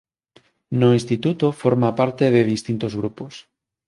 No instituto forma parte de distintos grupos.